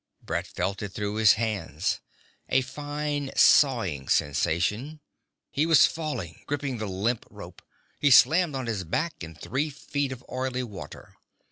Brett felt it through his hands, a fine sawing sensation ... He was falling, gripping the limp rope ... He slammed on his back in three feet of oily water.